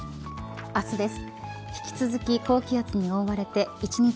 明日です。